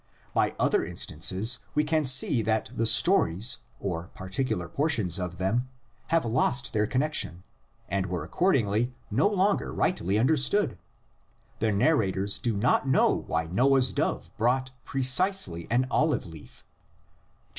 By other instances we can see that the stories, or particular portions of them, have lost their connexion and were accordingly no longer rightly understood: the narrators do not know why Noah's dove brought precisely an olive leaf (viii.